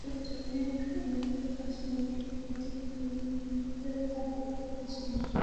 আমাদের কাজ মৌলিক নৈতিক নিয়মের গণ্ডিতে থাকার কথা ছিল।